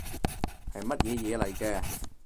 係乜嘢嘢嚟嘅